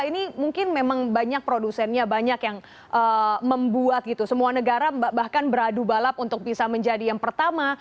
ini mungkin memang banyak produsennya banyak yang membuat gitu semua negara bahkan beradu balap untuk bisa menjadi yang pertama